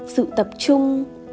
sự tập trung